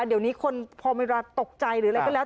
เดี๋ยวนี้คนพอเวลาตกใจหรืออะไรก็แล้ว